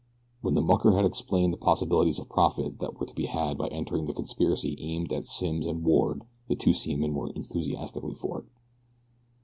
When the mucker had explained the possibilities of profit that were to be had by entering the conspiracy aimed at Simms and Ward the two seamen were enthusiastically for it.